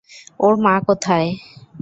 ওর মা কোথায়?